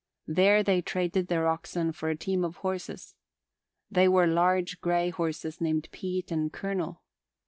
There they traded their oxen for a team of horses. They were large gray horses named Pete and Colonel.